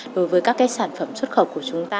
đối với các cái sản phẩm xuất khẩu của chúng ta